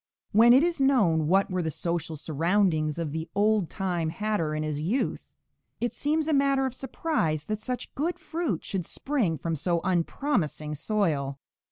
When it is known what were the social surroundings of the "old time" hatter in his youth, it seems a matter of surprise that such good fruit should spring from so unpromising soil.